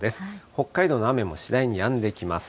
北海道の雨も次第にやんできます。